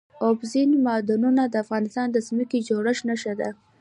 اوبزین معدنونه د افغانستان د ځمکې د جوړښت نښه ده.